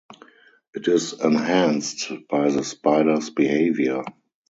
It is enhanced by the spider's behaviour.